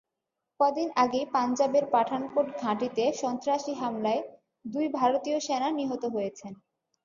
কদিন আগেই পাঞ্জাবের পাঠানকোট ঘাঁটিতে সন্ত্রাসী হামলায় দুই ভারতীয় সেনা নিহত হয়েছেন।